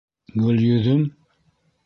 Гөлйөҙөм?..